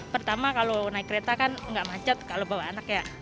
pertama kalau naik kereta kan nggak macet kalau bawa anak ya